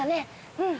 うん。